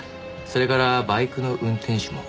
それからバイクの運転手も。